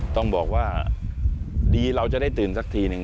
ต้องบอกว่าดีเราจะได้ตื่นสักทีหนึ่ง